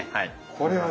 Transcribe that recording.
これはね